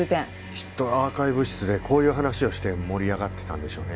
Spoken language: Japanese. きっとアーカイブ室でこういう話をして盛り上がってたんでしょうね。